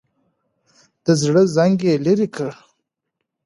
د زړه زنګ یې لرې کړ.